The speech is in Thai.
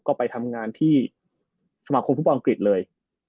ก็ไปทำงานที่สมาคมภูมิประอังกฤษเลย